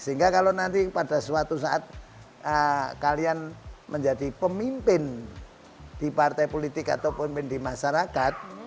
sehingga kalau nanti pada suatu saat kalian menjadi pemimpin di partai politik atau pemimpin di masyarakat